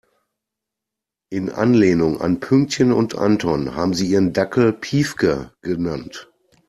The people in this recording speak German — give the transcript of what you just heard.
In Anlehnung an Pünktchen und Anton haben sie ihren Dackel Piefke genannt.